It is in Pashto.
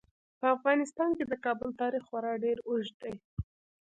په افغانستان کې د کابل تاریخ خورا ډیر اوږد دی.